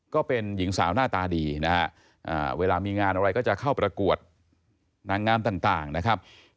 ก็เป็นหญิงสาวหน้าตาดีนะฮะเวลามีงานอะไรก็จะเข้าประกวดนางงามต่างนะครับ